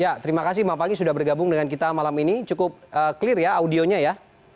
ya terima kasih bang pagi sudah bergabung dengan kita malam ini cukup clear ya audionya ya